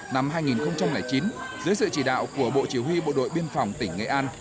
năm hai nghìn chín dưới sự chỉ đạo của bộ chỉ huy bộ đội biên phòng tỉnh nghệ an